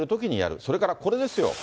それからこれですよ。